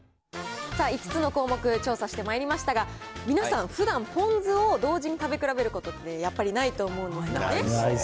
さあ、５つの項目、調査してまいりましたが、皆さん、ふだんポン酢を同時に食べ比べることって、やっぱりないと思うんないっすね。